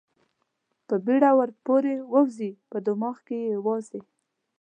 په بېړه ور پورې ووځي، په دماغ کې یې یوازې.